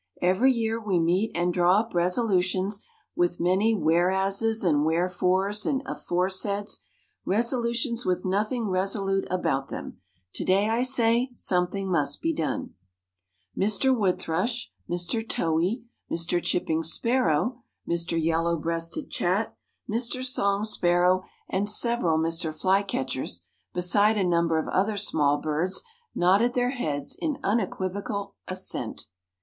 Every year we meet and draw up resolutions, with many 'whereases' and 'wherefores,' and 'aforesaids' resolutions with nothing resolute about them. To day, I say, something must be done." Mr. Wood thrush, Mr. Towhee, Mr. Chipping Sparrow, Mr. Yellow breasted Chat, Mr. Song Sparrow, and several Mr. Flycatchers, beside a number of other small birds, nodded their heads in unequivocal assent.